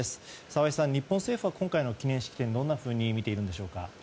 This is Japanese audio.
澤井さん、日本政府は今回の記念式典をどう見ているんでしょうか。